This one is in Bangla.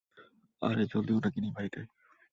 আরে জলদি ওনাকে নিয়ে বাড়িতে আয়।